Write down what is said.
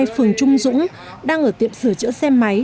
phường trung dũng đang ở tiệm sửa chữa xe máy